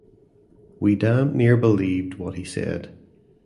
We damned near believed what he said.